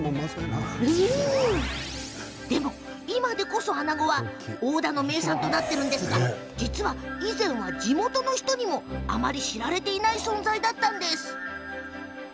今でこそ、あなごは大田の名産となっていますが実は、以前は地元の人にもあまり知られていない存在でした。